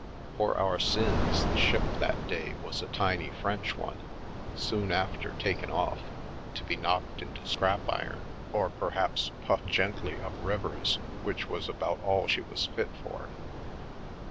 For our sins, the ship that day was a tiny French one, soon after taken off, to be knocked into scrap iron or perhaps, puff gently up rivers, which was about all she was fit for.